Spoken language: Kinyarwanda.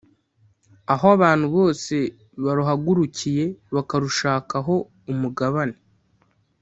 aho abantu bose baruhagurukiye bakarushakaho umugabane